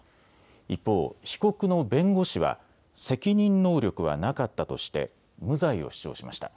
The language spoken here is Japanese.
一方、被告の弁護士は責任能力はなかったとして無罪を主張しました。